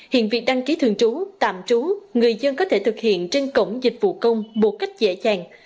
hiện việc đăng ký thường trú tạm trú người dân có thể thực hiện trên cổng dịch vụ công một cách dễ dàng